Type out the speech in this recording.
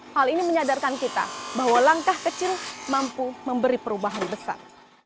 hal ini menyadarkan kita bahwa langkah kecil mampu memberi perubahan besar